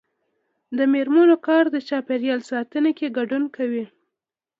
د میرمنو کار د چاپیریال ساتنه کې ګډون کوي.